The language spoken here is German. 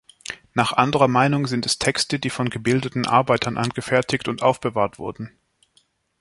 Nach anderer Meinung sind es Texte, die von gebildeten Arbeitern angefertigt und aufbewahrt wurden.